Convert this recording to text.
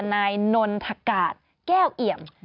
นายนนทกาศแก้วเอี่ยม